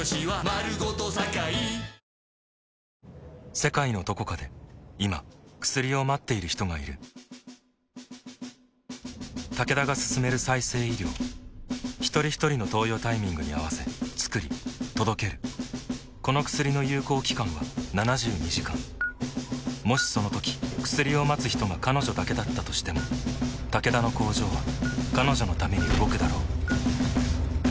世界のどこかで今薬を待っている人がいるタケダが進める再生医療ひとりひとりの投与タイミングに合わせつくり届けるこの薬の有効期間は７２時間もしそのとき薬を待つ人が彼女だけだったとしてもタケダの工場は彼女のために動くだろう